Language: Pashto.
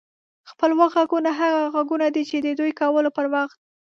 خپلواک غږونه هغه اوازونه دي چې د دوی کولو پر وخت